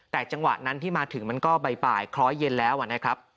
แต่จังหวะนั้นที่มาถึงมันก็บ่ายคล้อยเย็นแล้วนะครับ